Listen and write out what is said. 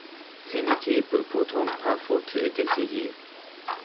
Ce n’était pourtant pas faute d’essayer.